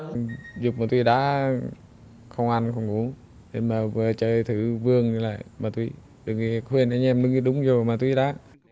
dùng ma túy đá không ăn không uống vừa chơi thử vương lại ma túy được khuyên anh em đứng đúng rồi ma túy đá